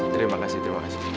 terima kasih terima kasih